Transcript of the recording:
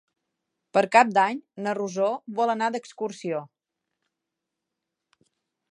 Per Cap d'Any na Rosó vol anar d'excursió.